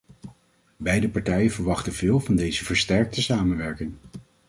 Beide partijen verwachten veel van deze versterkte samenwerking.